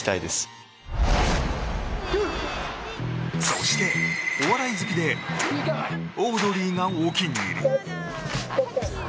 そして、お笑い好きでオードリーがお気に入り。